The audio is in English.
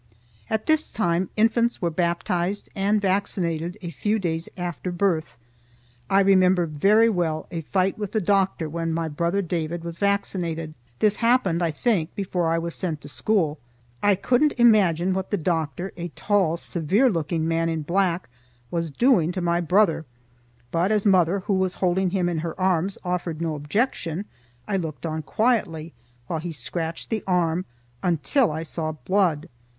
At this time infants were baptized and vaccinated a few days after birth. I remember very well a fight with the doctor when my brother David was vaccinated. This happened, I think, before I was sent to school. I couldn't imagine what the doctor, a tall, severe looking man in black, was doing to my brother, but as mother, who was holding him in her arms, offered no objection, I looked on quietly while he scratched the arm until I saw blood.